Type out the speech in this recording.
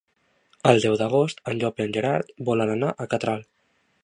El deu d'agost en Llop i en Gerard volen anar a Catral.